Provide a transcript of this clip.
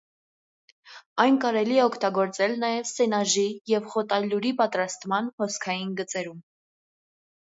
Այն կարելի է օգտագործել նաև սենաժի և խոտալյուրի պատրաստման հոսքային գծերում։